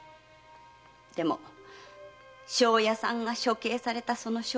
でも庄屋さんが処刑されたその衝撃で。